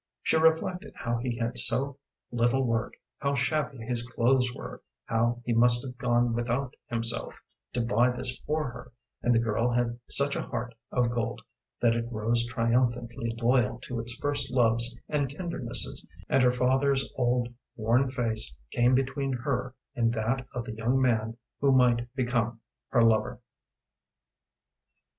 She reflected how he had so little work, how shabby his clothes were, how he must have gone without himself to buy this for her, and the girl had such a heart of gold that it rose triumphantly loyal to its first loves and tendernesses, and her father's old, worn face came between her and that of the young man who might become her lover.